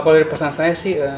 kalau dari pesan saya sih